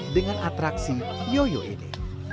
dengan atraksi yoyo ini